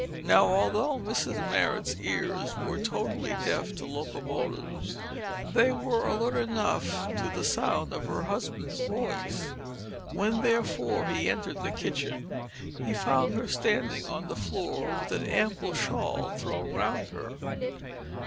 Now, although Mrs Marrot's ears were totally deaf to locomotives they were alert enough to the sound of her husband's voice. When, therefore, he entered the kitchen, he found her standing on the floor with an ample shawl thrown round her.